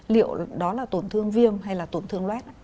liệu đó là tổn thương viêm hay là tổn thương lét